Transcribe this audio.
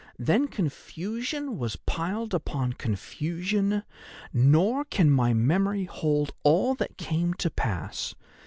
"'Then confusion was piled upon confusion, nor can my memory hold all that came to pass.